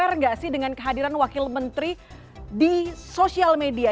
sebareng gak sih dengan kehadiran wakil menteri di sosial media